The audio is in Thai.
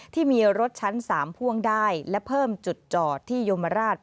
ที่มีรถชั้น๓พ่วงได้และเพิ่มจุดจอดที่โยมราช